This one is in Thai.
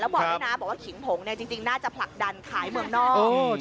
แล้วบอกให้นะบอกว่าขิงผงเนี่ยจริงน่าจะผลักดันขายเมืองนอก